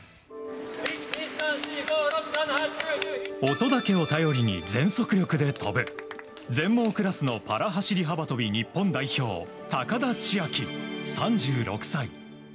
音だけを頼りに全速力で跳ぶ全盲クラスのパラ走り幅跳び日本代表、高田千明、３６歳。